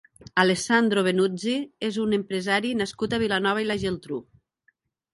Alessandro Benuzzi és un empresari nascut a Vilanova i la Geltrú.